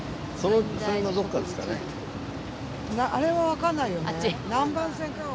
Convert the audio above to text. あれはわかんないよね？